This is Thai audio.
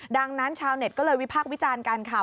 ดังนั้นชาวเน็ตก็เลยวิพากษ์วิจารณ์กันค่ะ